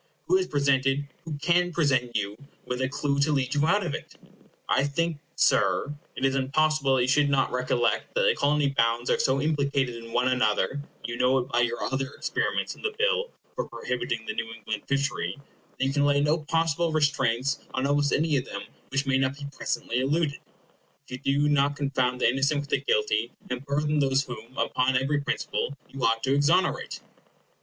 Who has presented, who can present you with a clue to lead you out of it? I think, Sir, it is impossible that you should not recollect that the Colony bounds are so implicated in one another,—you know it by your other experiments in the bill for prohibiting the New England fishery,—that you can lay no possible restraints on almost any of them which may not be presently eluded, if you do not confound the innocent with the guilty, and burthen those whom, upon every principle, you ought to exonerate.